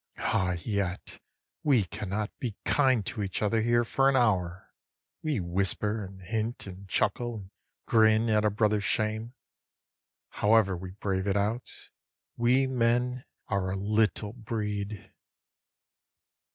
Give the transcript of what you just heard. Ah yet, we cannot be kind to each other here for an hour; We whisper, and hint, and chuckle, and grin at a brother's shame; However we brave it out, we men are a little breed.